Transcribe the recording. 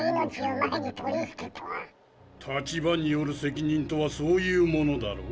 「立場による責任」とはそういうものだろ？